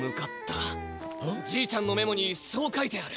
じいちゃんのメモにそう書いてある。